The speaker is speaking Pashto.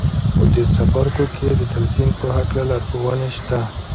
په دې څپرکو کې د تلقین په هکله لارښوونې شته